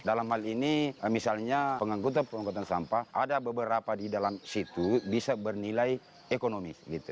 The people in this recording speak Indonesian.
dalam hal ini misalnya pengangkutan pengangkutan sampah ada beberapa di dalam situ bisa bernilai ekonomi